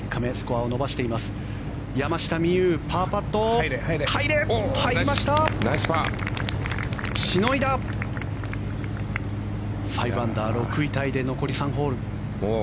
５アンダー、６位タイで残り３ホール。